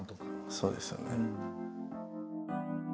そうですよね。